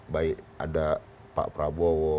baik ada pak prabowo